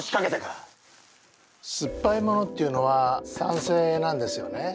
酸っぱいものっていうのは酸性なんですよね。